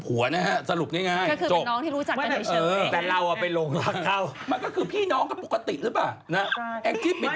สาวกันบ้างเสียงผู้ชายแบบฟิตเนส